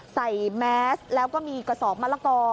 แมสแล้วก็มีกระสอบมะละกอ